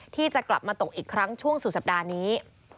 ที่จะกลับมาตกอีกครั้งช่วงสุดสัปดาห์นี้